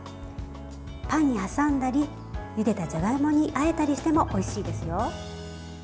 パンに挟んだりゆでたじゃがいもにあえたりしてもおいしいですよ。